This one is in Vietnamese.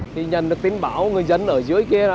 khi nhận được tin báo người dân ở dưới kia